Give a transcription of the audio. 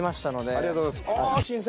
ありがとうございます。